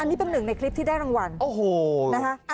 นี่เป็นหนึ่งในคลิปที่ได้รางวัลโอ้โหนะคะ